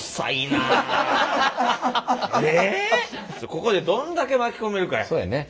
ここでどんだけ巻き込めるかやね。